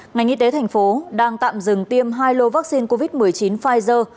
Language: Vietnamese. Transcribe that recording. ngành y tế thành phố đang tạm dừng tiêm hai lô vaccine covid một mươi chín pfizer